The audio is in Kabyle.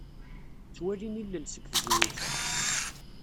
Ttwalin ilel seg tzewwut-a.